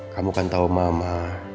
kamu kan tau mama